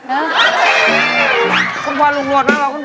ฮ่าคุณพ่อหลวงหลวดนะครับ